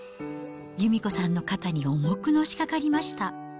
由美子さんの肩に重くのしかかりました。